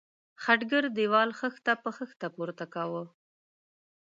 خټګر د دېوال خښته په خښته پورته کاوه.